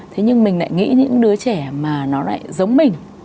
thế nhưng mình lại nghĩ những đứa trẻ mà nó lại giống mình